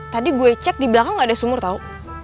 tadi gue cek di belakang gak ada sumur tau